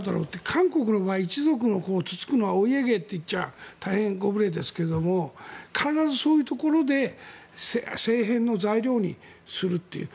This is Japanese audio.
韓国の場合、一族をつつくのはお家芸と言っては大変ご無礼ですけども必ずそういうところで政変の材料にするという。